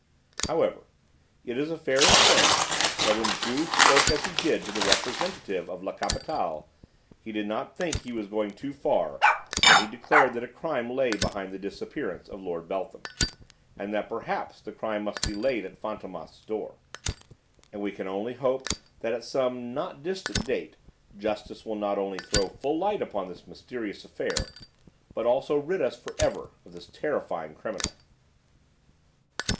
"However, it is a fair inference that when Juve spoke as he did to the representative of La Capitale, he did not think he was going too far when he declared that a crime lay behind the disappearance of Lord Beltham, and that perhaps the crime must be laid at Fantômas' door; and we can only hope that at some not distant date, justice will not only throw full light upon this mysterious affair, but also rid us for ever of this terrifying criminal!"